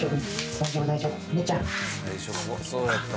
最初そうやった。